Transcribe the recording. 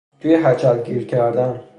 توی هچل گیر کردن